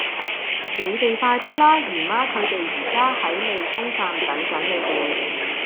你哋快啲啦!姨媽佢哋而家喺利東站等緊你哋